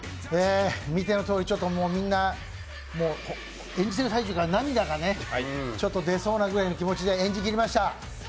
見てのとおり、みんな演じてる最中から涙がね、出そうなぐらいの気持ちで演じきりました。